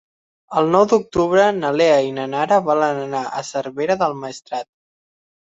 El nou d'octubre na Lea i na Nara volen anar a Cervera del Maestrat.